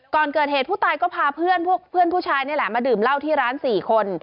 ก่อนเกิดเหตุผู้ตายก็พาเพื่อนผู้ชายมาดื่มเหล้าที่ร้าน๔คน